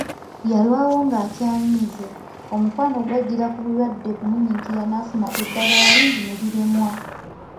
Yalwawo ng'akyanyiize, omukwano gwaddira ku bulwadde kumunyiikirira n'afuna eddagala lingi ne liremwa.